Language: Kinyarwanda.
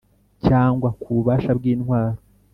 cyangwa ku bubasha bw’intwaro;